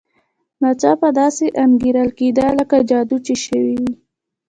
ناڅاپه داسې انګېرل کېده لکه جادو چې شوی وي.